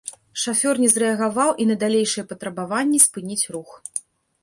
Шафёр не зрэагаваў і на далейшыя патрабаванні спыніць рух.